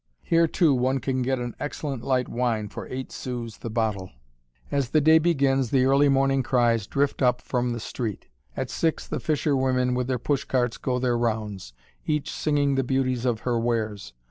Here, too, one can get an excellent light wine for eight sous the bottle. As the day begins, the early morning cries drift up from the street. At six the fishwomen with their push carts go their rounds, each singing the beauties of her wares.